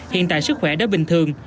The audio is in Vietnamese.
hiện tại sức khỏe đã bình thường